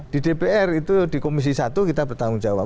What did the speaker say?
di dpr itu di komisi satu kita bertanggung jawab